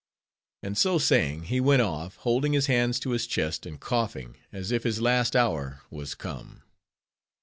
And so saying, he went off, holding his hands to his chest, and coughing, as if his last hour was come.